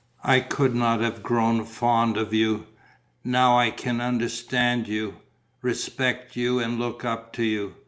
I could not have grown fond of you. Now I can understand you, respect you and look up to you.